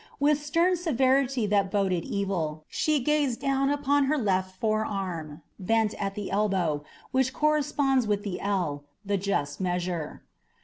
With stern severity that boded evil, she gazed down upon her left forearm, bent at the elbow, which corresponds with the ell, the just measure.